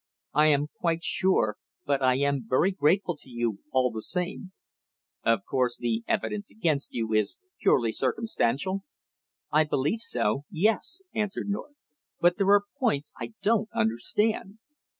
"I am quite sure, but I am very grateful to you all the same " "Of course the evidence against you is purely circumstantial?" "I believe so yes," answered North. "But there are points I don't understand."